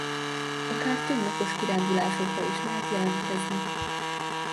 Akár több napos kirándulásokra is lehet jelentkezni.